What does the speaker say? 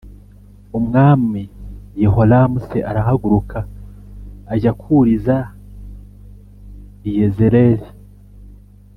Umwami Yehoramu c aragaruka ajya kw uriza i Yezereli